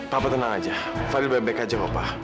bapak tenang aja fadil baik baik aja bapak